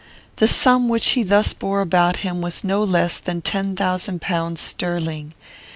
"'The sum which he thus bore about him was no less than ten thousand pounds sterling.